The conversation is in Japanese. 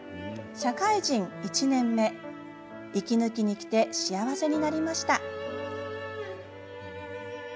社会人１年目、息抜きに来て幸せになりました。」